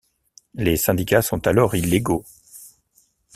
Les syndicats sont alors illégaux.